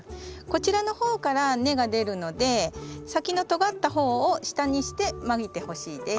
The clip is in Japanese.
こちらの方から根が出るので先のとがった方を下にしてまいてほしいです。